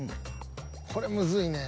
［これむずいね］